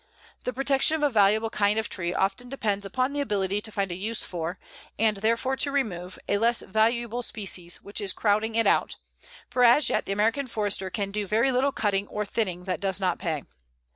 The protection of a valuable kind of tree often depends upon the ability to find a use for, and therefore to remove, a less valuable species which is crowding it out, for as yet the American Forester can do very little cutting or thinning that does not pay.